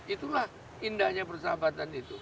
itulah indahnya persahabatan itu